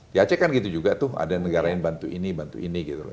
di aceh kan gitu juga tuh ada yang negara bantu ini bantu ini